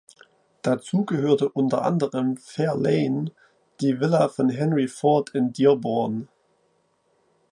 Dazu gehörte unter anderem "Fair Lane", die Villa von Henry Ford in Dearborn.